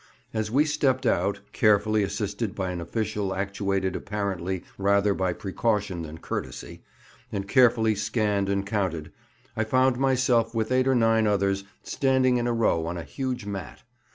As we stepped out, carefully assisted by an official actuated apparently rather by precaution than courtesy, and carefully scanned and counted, I found myself with eight or nine others standing in a row on a huge mat.